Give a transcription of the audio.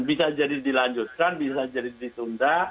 bisa jadi dilanjutkan bisa jadi ditunda